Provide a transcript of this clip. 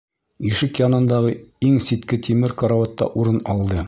Ишек янындағы иң ситке тимер карауатта урын алды.